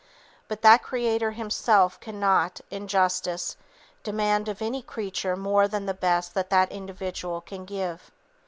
But that Creator Himself cannot, in justice, demand of any creature more than the best that that individual can give.'